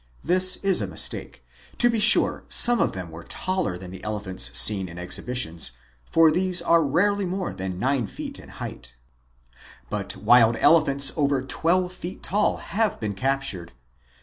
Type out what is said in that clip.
This is a mistake. To be sure some of them were taller than are the elephants seen in exhibitions, for these are rarely more than nine feet 118 MIGHTY ANIMALS in height. But wild elephants over twelve feet tall have been captured.